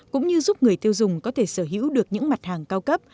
cũng như giúp người tiêu dùng có thể sở hữu được những mặt hàng cao cấp